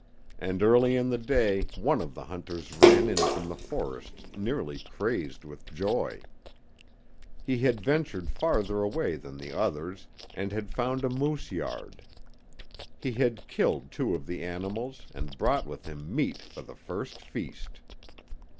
And early in the day one of the hunters ran in from the forest nearly crazed with joy. He had ventured farther away than the others, and had found a moose yard. He had killed two of the animals and brought with him meat for the first feast.